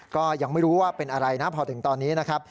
ก็ยังไม่รู้ว่าเป็นอะไรนะพอถึงตอนนี้นะครับ